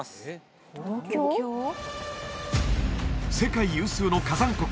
世界有数の火山国